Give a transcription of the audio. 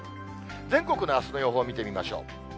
全国のあすの予報見てみましょう。